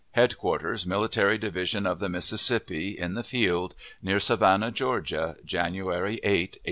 HEADQUARTERS MILITARY DIVISION OF THE MISSISSIPPI, IN THE FIELD, NEAR SAVANNAH, GEORGIA, January 8, 1864.